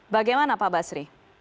bagaimana pak basri